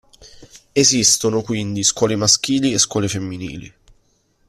Esistono quindi scuole maschili e scuole femminili.